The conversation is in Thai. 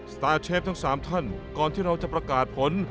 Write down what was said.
สตาร์เชฟทั้ง๓ท่านก่อนที่เราจะประกาศผล